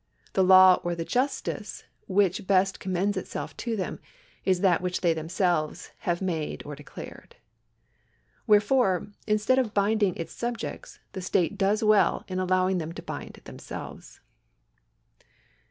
The law or the justice which best commends itself to them is that which they themselves have made or declared. Wherefore, instead of binding its subjects, the state does well in allowing them to bind themselves.